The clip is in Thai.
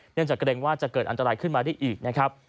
จากเกรงว่าจะเกิดอันตรายขึ้นมาได้อีกนะครับ